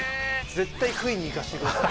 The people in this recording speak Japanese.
絶対食いに行かせてください。